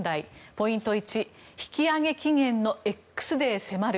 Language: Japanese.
ポイント１引き上げ期限のＸデー迫る。